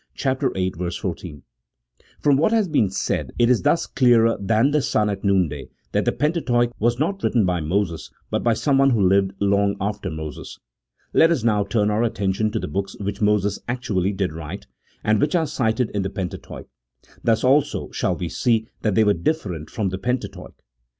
viii. 14. From what has been said, it is thus clearer than the sun at noonday that the Pentateuch was not written by Moses, but by someone who lived long after Moses. Let us now turn our attention to the books which Moses actually did write, and which are cited in the Pentateuch ; thus, also, shall we see that they were different from the Pentateuch.